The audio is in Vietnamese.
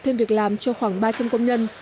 thêm việc làm cho khoảng ba trăm linh công nhân